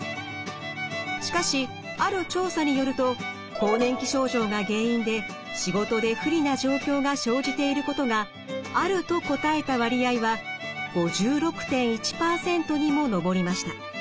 しかしある調査によると更年期症状が原因で仕事で不利な状況が生じていることが「ある」と答えた割合は５６．１％にも上りました。